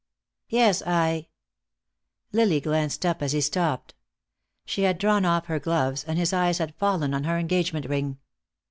"Yes. I " Lily glanced up as he stopped. She had drawn off her gloves, and his eyes had fallen on her engagement ring.